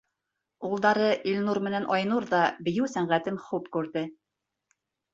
Улдары Илнур менән Айнур ҙа бейеү сәнғәтен хуп күрҙе.